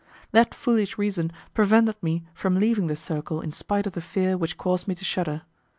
That foolish reason prevented me from leaving the circle in spite of the fear which caused me to shudder.